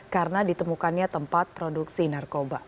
karena ditemukannya tempat produksi narkoba